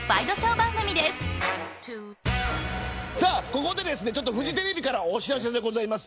ここでフジテレビからお知らせです。